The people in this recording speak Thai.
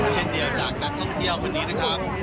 เช่นเดียวจากนักท่องเที่ยวคนนี้นะครับ